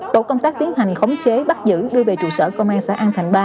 tổ công tác tiến hành khống chế bắt giữ đưa về trụ sở công an xã an thành ba